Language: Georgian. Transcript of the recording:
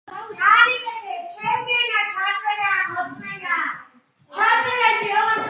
ფიზიკა სხვა საბუნებისმეტყველო მეცნიერებებთან ერთად შეისწავლის გარემომცველ სამყაროს ობიექტურ თვისებებს